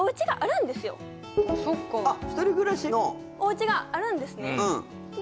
お家があるんですねで